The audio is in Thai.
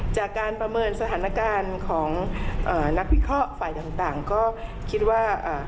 จากการประเมินสถานการณ์ของนักวิเคราะห์ฝ่ายต่างต่างก็คิดว่า